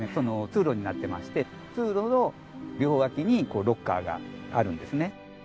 通路になってまして通路の両脇にロッカーがあるんですね。